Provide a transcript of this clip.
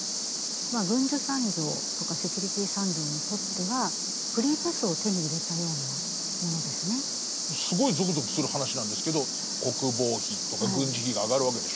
まあ軍需産業とかセキュリティ産業にとってはすごいぞくぞくする話なんですけど国防費とか軍事費が上がるわけでしょ。